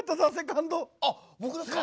あ僕ですか？